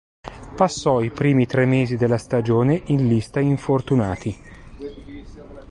Passò i primi tre mesi della stagione in lista infortunati.